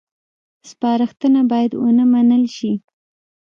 سپارښتنه باید ونه منل شي